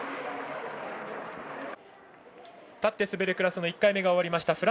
立って滑るクラスの１回目が終わりました。